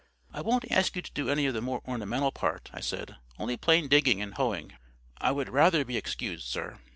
"I won't ask you to do any of the more ornamental part," I said,—"only plain digging and hoeing." "I would rather be excused, sir."